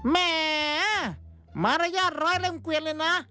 แหมมารยาทร้อยเล่มเกวียนเลยนะ